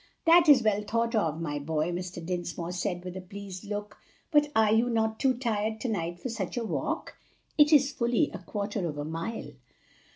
"That is well thought of, my boy," Mr. Dinsmore said, with a pleased look. "But are you not too tired to night for such a walk? it is fully a quarter of a mile."